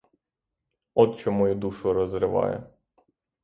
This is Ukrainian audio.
От що мою душу розриває!